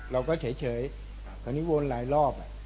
เราก็เฉยวนิวลายรอบ